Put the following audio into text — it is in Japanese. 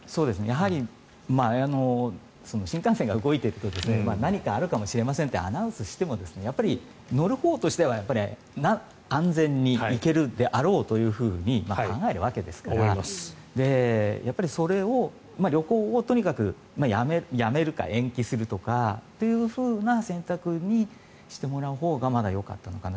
やはり、新幹線が動いていると何かあるかもしれませんってアナウンスしても乗るほうとしては安全に行けるであろうと考えるわけですから旅行をとにかくやめるか延期するとかいう選択にしてもらうほうがまだよかったのかな